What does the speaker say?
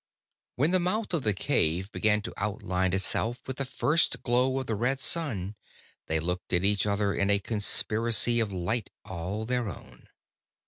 When the mouth of the cave began to outline itself with the first glow of the red sun, they looked at each other in a conspiracy of light all their own.